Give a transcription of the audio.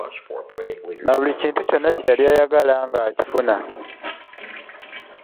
Na buli kintu kyonna kye yali ayagala ng'akifuna.